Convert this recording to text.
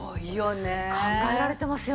考えられてますよね。